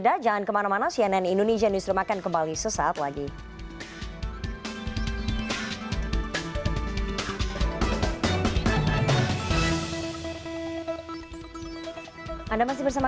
dalam menangani beberapa